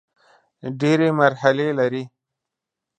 ډېري مرحلې لري .